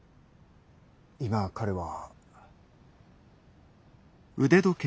今彼は。